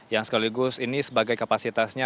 yang sekaligus ini sebagai kapasitasnya